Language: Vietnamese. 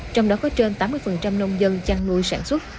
trong đó có trên tám mươi nông dân chăn nuôi sản xuất